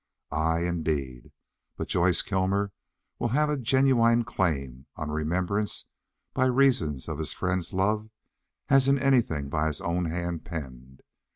Aye, indeed! But Joyce Kilmer will have as genuine a claim on remembrance by reason of his friends' love as in anything his own hand penned.